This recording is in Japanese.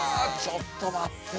ちょっと待って。